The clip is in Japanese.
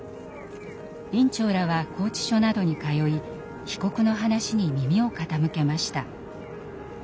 院長らは拘置所などに通い被告の話に耳を傾けました。